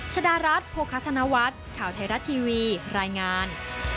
ชดารัฐโภคธนวัฒน์ข่าวไทยรัฐทีวีรายงาน